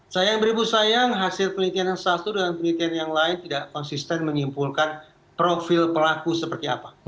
sayang beribu sayang hasil penelitian yang satu dan penelitian yang lain tidak konsisten menyimpulkan profil pelaku seperti apa